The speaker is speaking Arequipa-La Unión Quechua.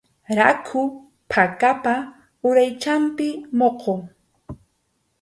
Rakhu phakapa uraychanpi muqu.